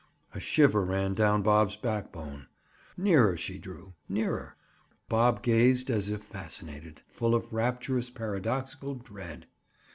A shiver ran down Bob's backbone. Nearer she drew—nearer—while Bob gazed as if fascinated, full of rapturous, paradoxical dread.